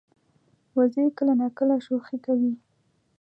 وزې کله ناکله شوخي کوي